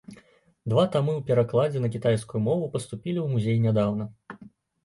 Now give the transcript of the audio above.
Два тамы ў перакладзе на кітайскую мову паступілі ў музей нядаўна.